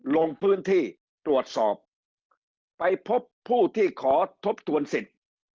ลงพื้นที่ตรวจสอบไปพบผู้ที่ขอทบทวนสิทธิ์